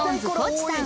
地さん